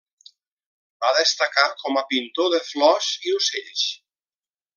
Va destacar com a pintor de flors i ocells.